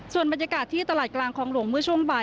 ส่วนบรรยากาศที่ตลาดกลางคลองหลวงเมื่อช่วงบ่าย